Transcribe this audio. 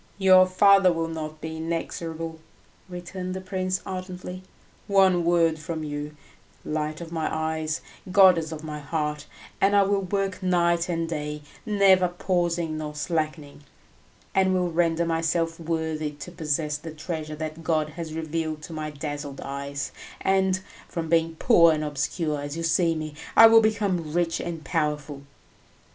"Your father will not be inexorable," returned the prince ardently; "one word from you, light of my eyes, goddess of my heart, and I will work night and day, never pausing nor slackening, and will render myself worthy to possess the treasure that God has revealed to my dazzled eyes, and, from being poor and obscure as you see me, I will become rich and powerful."